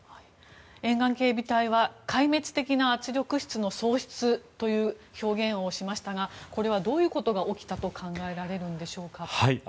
沿岸警備隊は壊滅的な圧力室の喪失という表現をしましたがこれはどういうことが起きたと考えられるんでしょうか？